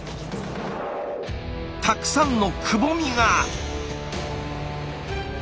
たくさんのくぼみが！